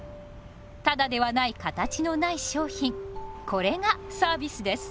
タダではない形のない商品これがサービスです。